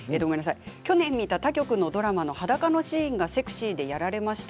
去年見た他局のドラマの裸のシーンがセクシーでやられました。